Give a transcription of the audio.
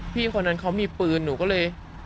คนนั้นเขามีปืนหนูก็เลย